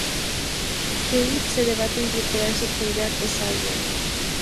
Kate se debate entre quedarse con Jack o Sawyer.